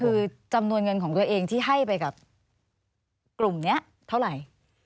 คือจำนวนเงินของตัวเองที่ให้ไปกับกลุ่มนี้เท่าไหร่